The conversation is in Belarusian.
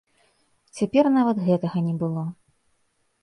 Цяпер нават гэтага не было.